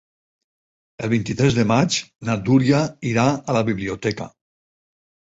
El vint-i-tres de maig na Dúnia irà a la biblioteca.